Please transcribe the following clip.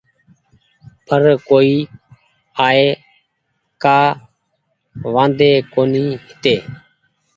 پر ڪونيٚ آئي ڪآ وآدي ڪونيٚ هيتي